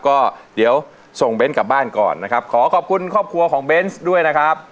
ก็เดี๋ยวส่งเบ้นกลับบ้านก่อนนะครับขอขอบคุณครอบครัวของเบนส์ด้วยนะครับ